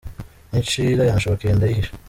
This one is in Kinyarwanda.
Inshira yanshokeye ndayihisha.